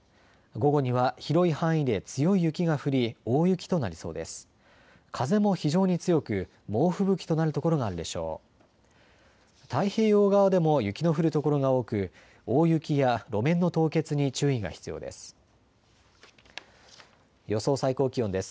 午後には広い範囲で強い雪が降り大雪となりそうです。